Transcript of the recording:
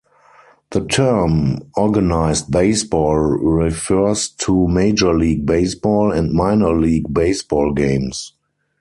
The term Organized Baseball refers to Major League Baseball and Minor League Baseball games.